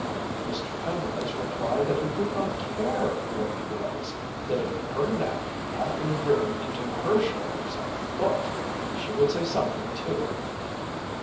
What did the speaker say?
Mr. Penrose replied that he did not care where he was that if her neck had been driven into her shoulders a foot she would say something, too.